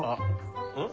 うん？